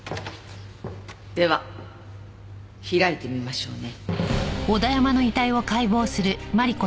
では開いてみましょうね。